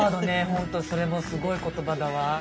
ほんとそれもすごい言葉だわ。